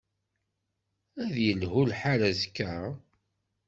Ad yelhu lḥal azekka?